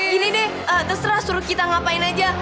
gini deh terserah suruh kita ngapain aja